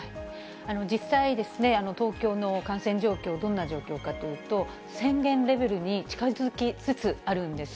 実際ですね、東京の感染状況、どんな状況かというと、宣言レベルに近づきつつあるんです。